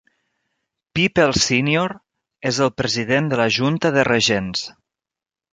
Peeples Senior és el president de la junta de regents.